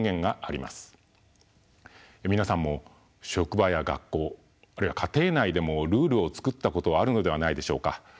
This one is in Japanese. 皆さんも職場や学校あるいは家庭内でもルールを作ったことはあるのではないでしょうか。